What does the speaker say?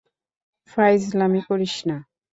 ফাইজলামি করিস না!